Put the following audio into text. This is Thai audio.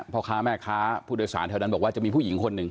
พ่อค้าแม่ค้าผู้โดยสารแถวนั้นบอกว่าจะมีผู้หญิงคนหนึ่ง